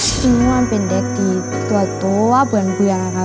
นี่มีความเป็นเด็กที่ตัวโตว่าเปื่อนค่ะ